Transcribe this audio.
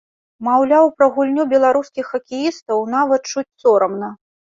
Маўляў, пра гульню беларускіх хакеістаў нават чуць сорамна.